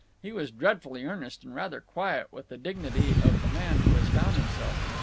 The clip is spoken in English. He was dreadfully earnest, and rather quiet, with the dignity of the man who has found himself.